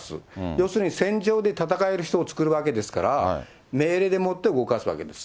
要するに戦場で戦える人を作るわけですから、命令でもって動かすわけです。